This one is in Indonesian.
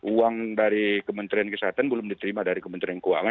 uang dari kementerian kesehatan belum diterima dari kementerian keuangan